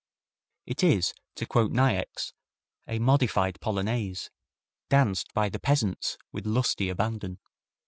It is, to quote Niecks, a modified polonaise, danced by the peasants with lusty abandon.